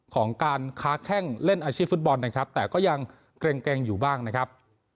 ของการค้าแข้งเล่นอาชีพฟุตบอลนะครับแต่ก็ยังเกร็งอยู่บ้างนะครับ